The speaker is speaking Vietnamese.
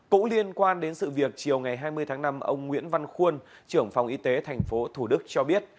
cũng liên quan đến sự việc chiều ngày hai mươi tháng năm ông nguyễn văn khuôn trưởng phòng y tế tp thủ đức cho biết